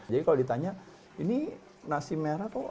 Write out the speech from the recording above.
jadi kalau ditanya ini nasi merah kok